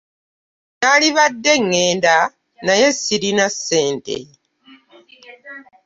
Nandibadde ngenda naye silina ssente.